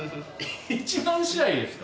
１万試合ですか！